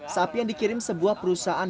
sapi yang dikirim sebuah perusahaan